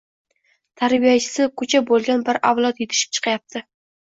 «tarbiyachi»si ko‘cha bo‘lgan bir avlod yetishib kelyapti.